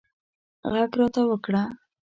غږ راته وکړه